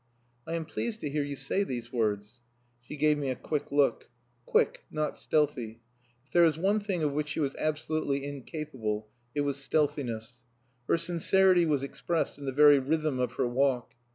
"I am pleased to hear you say these words." She gave me a quick look. Quick, not stealthy. If there was one thing of which she was absolutely incapable, it was stealthiness, Her sincerity was expressed in the very rhythm of her walk.